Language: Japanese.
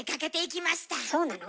そうなの？